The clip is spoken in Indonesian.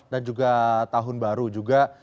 dan juga tahun baru juga